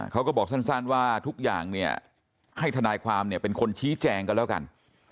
เขาก็บอกสั้นว่าทุกอย่างเนี่ยให้ทนายความเนี่ยเป็นคนชี้แจงกันแล้วกัน